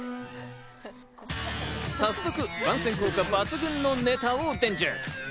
早速、番宣効果抜群のネタを伝授。